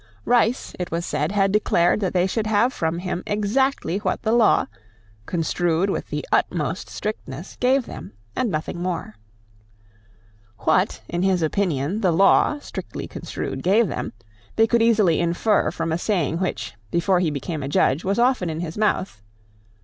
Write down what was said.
Rice, it was said, had declared that they should have from him exactly what the law, construed with the utmost strictness, gave them, and nothing more. What, in his opinion, the law, strictly construed, gave them, they could easily infer from a saying which, before he became a judge, was often in his mouth.